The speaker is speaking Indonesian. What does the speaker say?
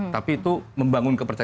tapi itu membangun